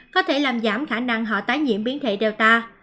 có thể làm giảm khả năng họ tái nhiễm biến thể data